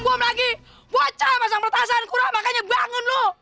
guam guam lagi bocah pasang peretasan kurang makanya bangun lu